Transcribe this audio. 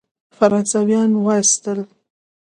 فرانسویان وایستل.